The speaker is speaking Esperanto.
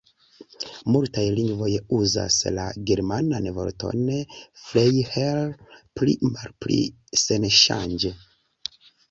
Multaj lingvoj uzas la germanan vorton "Freiherr" pli-malpli senŝanĝe.